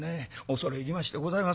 恐れ入りましてございます」。